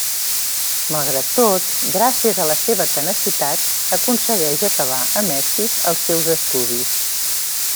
Malgrat tot, gràcies a la seva tenacitat aconsegueix acabar amb èxit els seus estudis.